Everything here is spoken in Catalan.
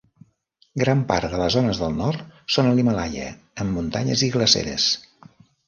Gran part de les zones del nord són a l'Himàlaia amb muntanyes i glaceres.